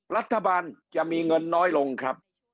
รัฐบาลจะมีเงินน้อยลงครับ